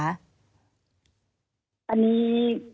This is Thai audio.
อันนี้